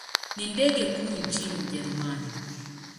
Ni ndege kuu nchini Ujerumani.